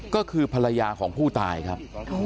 ก็คือภรรยาของผู้ตายครับ